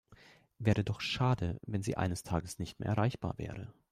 Wäre doch schade, wenn Sie eines Tages nicht mehr erreichbar wäre.